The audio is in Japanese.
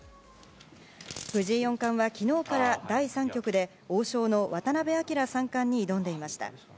藤井四冠は、昨日から第３局で王将の渡辺明三冠に挑んでいました。